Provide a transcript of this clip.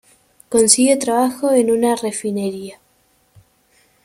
Consigue trabajo en una refinería.